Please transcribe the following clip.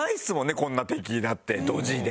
こんな敵だってドジで。